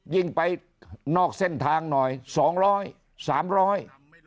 ยิ่งไปนอกเส้นทางหน่อยสองร้อยสามร้อย